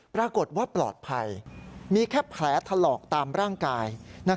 ปรากฏว่าปลอดภัยมีแค่แผลถลอกตามร่างกาย